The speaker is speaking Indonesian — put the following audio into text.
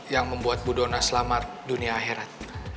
yang membuat bu dona selamat dunia akhirat